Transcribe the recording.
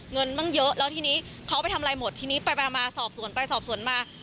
เงินมันเยอะแล้วทีนี้เขาไปทำอะไรหมดทีนี้ไปมาสอบส่วนมา